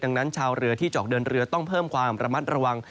ดังนั้นชาวเรือที่จะออกเดินเรือต้องเพิ่มความระมัดระวัง